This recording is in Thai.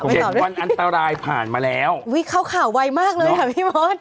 ๗วันอันตรายผ่านมาแล้วอุ้ยเข้าข่าวไวมากเลยค่ะพี่เบิร์ต